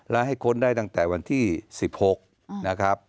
และให้ค้นได้ตั้งแต่วันที่๑๖นะครับ